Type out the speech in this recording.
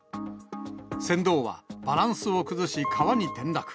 船頭はバランスを崩し川に転落。